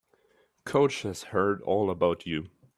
Coach has heard all about you.